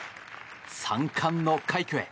３冠の快挙へ。